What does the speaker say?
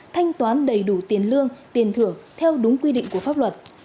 thanh toán đầy đủ tiền lương tiền thưởng theo đúng quy định của pháp luật